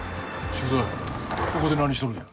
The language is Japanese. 駐在ここで何しとるんや？